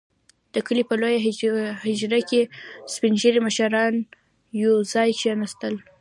• د کلي په لويه حجره کې سپين ږيري مشران يو ځای کښېناستل.